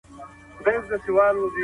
بد انسان تل ژر هېر سي